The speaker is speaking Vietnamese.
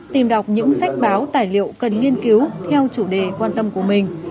tìm đọc những sách báo tài liệu cần nghiên cứu theo chủ đề quan tâm của mình